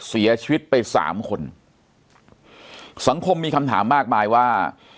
เสียชีวิตไปสามคนสังคมมีคำถามมากมายว่า